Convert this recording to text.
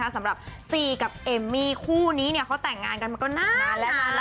สำหรับซีกับเอมมี่คู่นี้เขาแต่งงานกันมาก็นานแล้วนะ